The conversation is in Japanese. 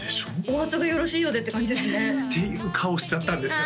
おあとがよろしいようでって感じですねっていう顔をしちゃったんです